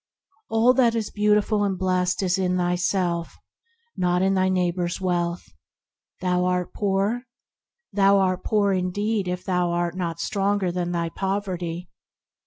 All that is beautiful and blessed is in thyself, not in thy neighbor's wealth. Thou art poor ? Thou art poor indeed if thou art not stronger than thy poverty!